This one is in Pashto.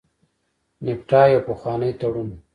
نفټا یو پخوانی تړون و.